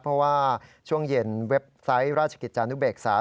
เพราะว่าช่วงเย็นเว็บไซต์ราชกิจจานุเบกษา